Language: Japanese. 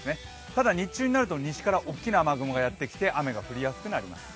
多田日中になると西から大きな雨雲が来て雨が降りやすくなります。